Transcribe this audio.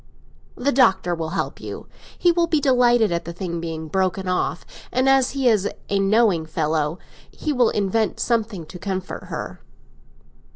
"The Doctor will help you. He will be delighted at the thing being broken off, and, as he is a knowing fellow, he will invent something to comfort her."